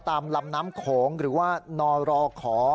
ตามลำน้ำโขงหรือว่านรขอ